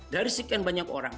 dari sekian banyak orang